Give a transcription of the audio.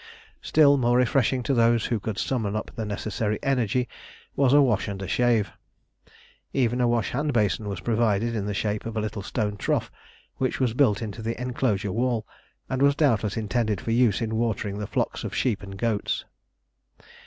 Still more refreshing to those who could summon up the necessary energy, was a wash and a shave. Even a wash hand basin was provided in the shape of a little stone trough which was built into the enclosure wall, and was doubtless intended for use in watering the flocks of sheep and goats.